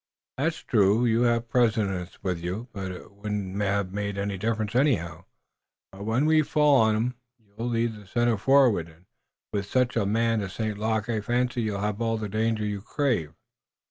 "That's true. You have precedent with you, but it wouldn't have made any difference, anyhow." "But when we fall on 'em you'll lead the center forward, and with such a man as St. Luc I fancy you'll have all the danger you crave."